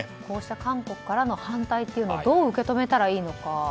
こうした韓国からの反対をどう受け止めたらいいのか。